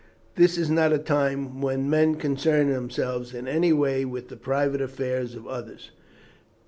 This is not a time when men concern themselves in any way with the private affairs of others.